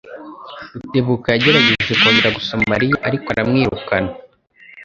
Rutebuka yagerageje kongera gusoma Mariya ariko aramwirukana